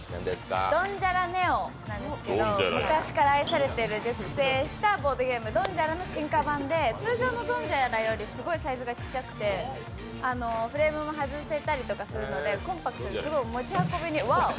「ドンジャラＮＥＯ」なんですけど、昔から愛されている「ドンジャラ」の進化版で、通常の「ドンジャラ」よりすごいサイズがちっちゃくてフレームも外せたりとかするのでコンパクトですごい持ち運びもワオ！